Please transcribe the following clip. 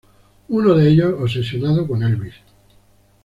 Uno de ellos obsesionado con Elvis.